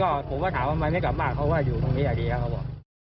ก็ผมก็ถามว่ามันไม่กลับมากเพราะว่าอยู่ตรงนี้อย่างเดียวครับ